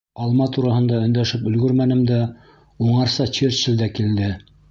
Алма тураһында өндәшеп өлгөрмәнем дә, уңарса Черчилль дә килде.